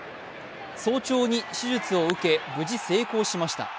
早朝に手術を受け、無事成功しました。